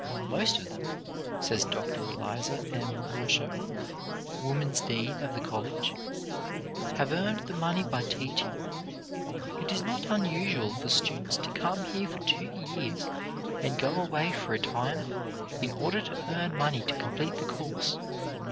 "Most of them," says Dr. Eliza M. Mosher, woman's dean of the college, "have earned the money by teaching. It is not unusual for students to come here for two years and go away for a time, in order to earn money to complete the course.